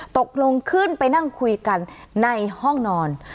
ตกลงขึ้นไปนั่งคุยกันในห้องนอน